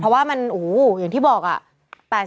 เพราะว่ามันโอ้โหอย่างที่บอกอ่ะ